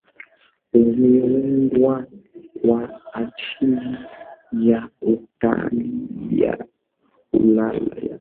Imeundwa kwa ajili ya utalii wa Ulaya